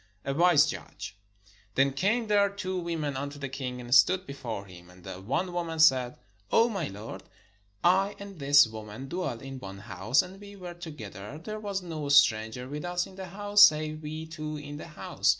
A WISE JUDGE Then came there two women unto the king, and stood before him. And the one woman said: ''O my Lord, I and this wo man dwell in one house; and we were together; there was no stranger with us in the house, save we two in the house.